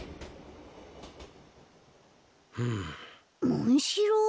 モンシロー？